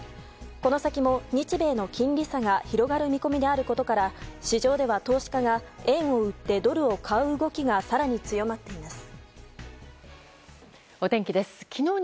この先も日米の金利差が広がる見込みであることから市場では投資家が円を売ってドルを買う動きが動きが更に強まっています。